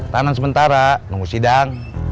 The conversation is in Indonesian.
tahanan sementara nunggu sidang